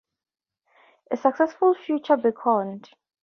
A successful future beckoned.